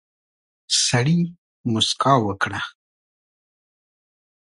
سړي موسکا وکړه.